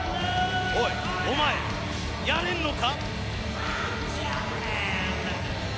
おい、お前やれんのか？